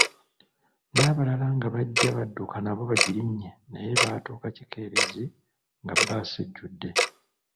Nabalala nga bajja badduka nabo bajirinye naye baatuuka kikeerezi nga bbaasi ejjudde.